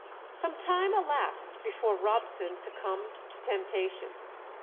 Some time elapsed before Robson succumbed to temptation.